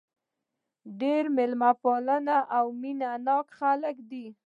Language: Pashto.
ډېر مېلمه پاله او مینه ناک خلک دي.